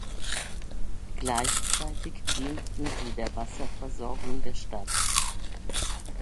Gleichzeitig dienten sie der Wasserversorgung der Stadt.